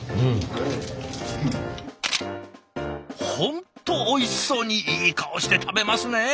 本当おいしそうにいい顔して食べますね。